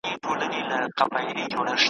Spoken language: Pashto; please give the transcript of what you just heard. د ښوونکو جامې نه وي د چا تن کي ,